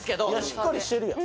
しっかりしてるやん。